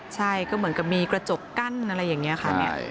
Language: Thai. ใช่ก็เหมือนกับมีกระจกกั้นอะไรอย่างนี้ค่ะ